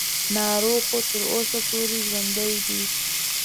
ناروغ خو تر اوسه پورې ژوندی دی.